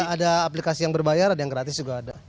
ada aplikasi yang berbayar ada yang gratis juga ada